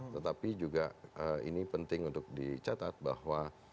tetapi juga ini penting untuk dicatat bahwa